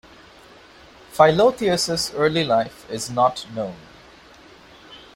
Philotheus' early life is not known.